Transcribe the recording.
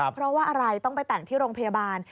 เพราะว่าอะไรต้องไปแต่งที่โรงพยาบาล